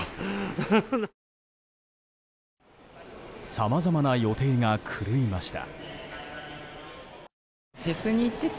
さまざまな予定が狂いました。